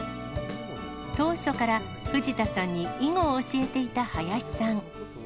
当初から藤田さんに囲碁を教えていた林さん。